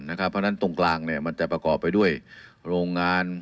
เพราะฉะนั้นตรงกลางมันจะประกอบไปด้วยโรงงาน